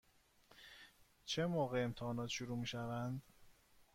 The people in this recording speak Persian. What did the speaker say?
چه موقع امتحانات شروع می شوند؟